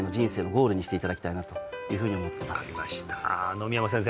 野見山先生